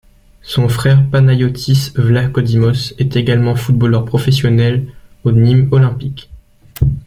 Son frère, Panayótis Vlachodímos, est également footballeur professionnel au Nîmes Olympique.